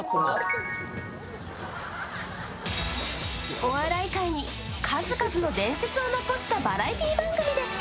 お笑い界に数々の伝説を残したバラエティー番組でした。